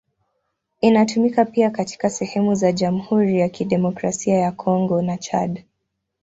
Inatumika pia katika sehemu za Jamhuri ya Kidemokrasia ya Kongo na Chad.